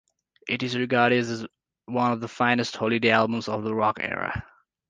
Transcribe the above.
It is regarded as one of the finest holiday albums of the rock era.